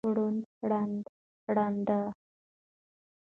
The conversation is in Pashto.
ړوند، ړنده، ړانده